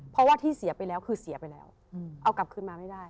เพราะว่าที่เสียไปแล้วคือเสียไปแล้วเอากลับคืนมาไม่ได้